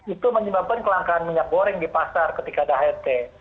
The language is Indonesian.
itu menyebabkan kelangkaan minyak goreng di pasar ketika ada het